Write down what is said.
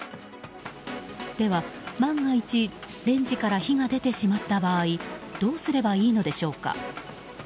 では、万が一レンジから火が出てしまった場合どうすればいいのでしょうか。